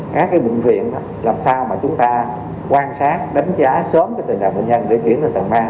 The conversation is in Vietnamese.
cái bệnh viện làm sao mà chúng ta quan sát đánh giá sớm cái tình hình bệnh nhân để chuyển sang tầng ba